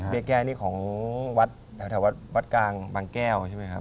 แก้วนี่ของวัดแถววัดกลางบางแก้วใช่ไหมครับ